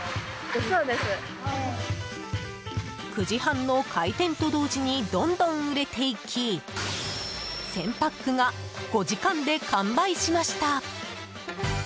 ９時半の開店と同時にどんどん売れていき１０００パックが５時間で完売しました。